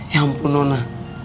ya ampun nona